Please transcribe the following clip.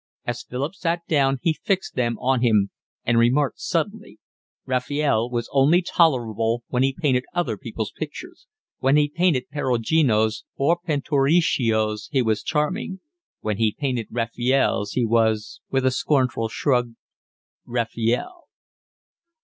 As Philip sat down he fixed them on him and remarked suddenly: "Raphael was only tolerable when he painted other people's pictures. When he painted Peruginos or Pinturichios he was charming; when he painted Raphaels he was," with a scornful shrug, "Raphael."